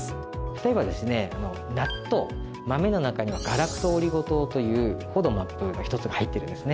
例えば納豆豆の中にはガラクトオリゴ糖というＦＯＤＭＡＰの１つが入ってるんですね。